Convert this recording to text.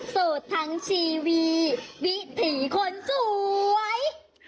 สูตรทั้งชีวิตวิถีคนสวย